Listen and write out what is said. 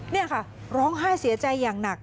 นี่ค่ะร้องไห้เสียใจอย่างหนัก